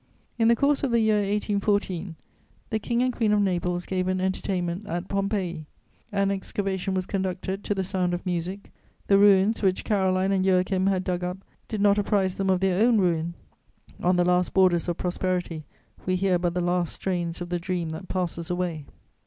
In the course of the year 1814, the King and Queen of Naples gave an entertainment at Pompeii; an excavation was conducted to the sound of music: the ruins which Caroline and Joachim had dug up did not apprize them of their own ruin; on the last borders of prosperity we hear but the last strains of the dream that passes away.